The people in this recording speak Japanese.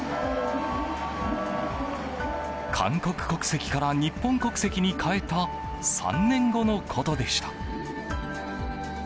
韓国国籍から日本国籍に変えた３年後のことでした。